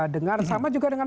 dengar sama juga dengan